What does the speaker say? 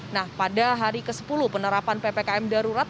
nah pada hari ke sepuluh penerapan ppkm darurat